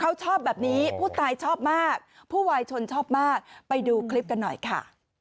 เขาชอบแบบนี้ผู้ตายชอบมากผู้วายชนชอบมากไปดูคลิปกันหน่อยค่ะ